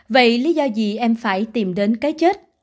vậy lý do gì em phải tìm đến cái chết